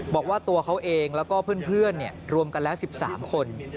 บอกว่าตัวเขาเองแล้วก็เพื่อนรวมกันแล้ว๑๓คน